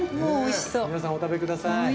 皆さん、お食べください。